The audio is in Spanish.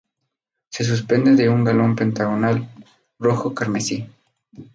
Se suspende de un galón pentagonal rojo carmesí.